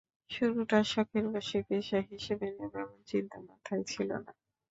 শুরুটা শখের বশেই, পেশা হিসেবে নেব এমন চিন্তা মাথায় ছিল না।